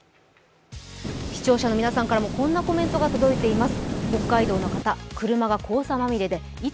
視聴者の皆さんからもこんなコメントが届いています。